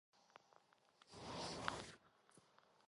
იგი იყო ქალაქის საჯარო მმართველობის დეპუტატი ვაჭართა წრიდან.